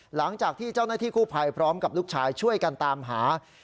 หลังจากที่เจ้าหน้าที่กู้ภัยพร้อมกับลูกชายช่วยกันตามหา